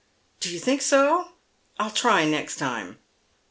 " Do you think so ? I'll try next time."